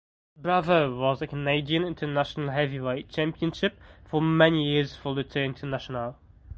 Bravo was the Canadian International Heavyweight Championship for many years for Lutte Internationale.